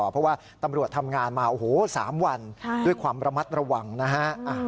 เพราะว่าตำรวจทำงานมาโอ้โห๓วันด้วยความระมัดระวังนะฮะ